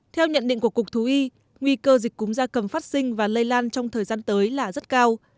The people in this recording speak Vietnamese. theo nhận định của cục thú y nguy cơ dịch cúm da cầm phát sinh và lây lan trong thời gian tới là rất cao